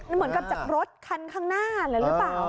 เหมือนกับจากรถคันข้างหน้าเลยหรือเปล่า